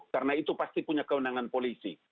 karena itu pasti punya kewenangan polisi